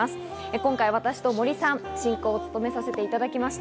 今回、私と森さんが進行を務めさせていただきました。